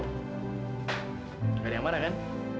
tidak ada yang marah kan